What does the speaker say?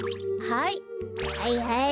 はいはい！